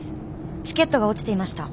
チケットが落ちていました」